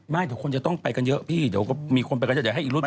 เดี๋ยวคนจะต้องไปกันเยอะพี่เดี๋ยวก็มีคนไปกันเยอะเดี๋ยวให้อีกรุ่น